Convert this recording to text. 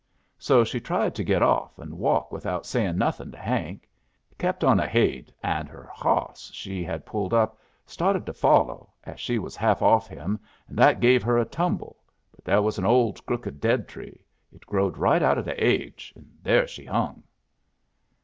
So she tried to get off and walk without sayin' nothin' to Hank. He kep' on ahaid, and her hawss she had pulled up started to follo' as she was half off him, and that gave her a tumble, but there was an old crooked dead tree. It growed right out o' the aidge. There she hung.